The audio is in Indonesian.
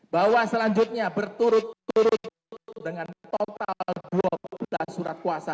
bahwa selanjutnya berturut turut dengan total dua belas surat kuasa